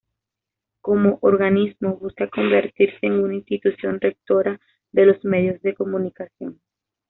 Como organismo, busca convertirse en una institución rectora de los medios de comunicación.